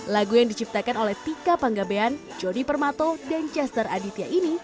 lagu yang diciptakan oleh tika panggabean jody permato dan chester aditya ini